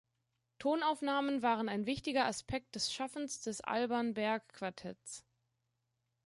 Tonaufnahmen waren ein wichtiger Aspekt des Schaffens des Alban Berg Quartetts.